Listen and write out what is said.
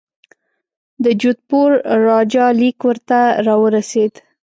د جودپور راجا لیک ورته را ورسېد.